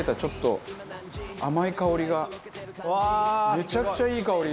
めちゃくちゃいい香り。